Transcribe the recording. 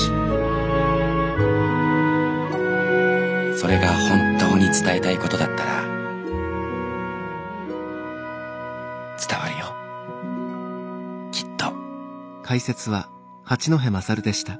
「それが本当に伝えたいことだったら伝わるよきっと」。